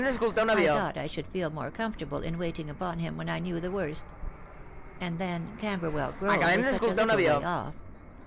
I thought I should feel more comfortable in waiting upon him when I knew the worst. And then Camberwell Grove was such a little way off.